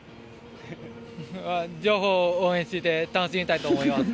両方、応援して楽しみたいと思います。